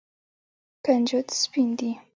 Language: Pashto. کنجد سپین دي.